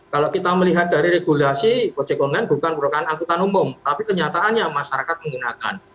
kalau kita melihat dari regulasi ojek online bukan merupakan angkutan umum tapi kenyataannya masyarakat menggunakan